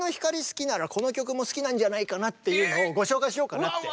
好きならこの曲も好きなんじゃないかなっていうのをご紹介しようかなって。